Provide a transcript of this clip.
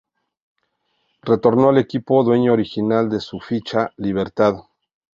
Retornó al equipo dueño original de su ficha, Libertad.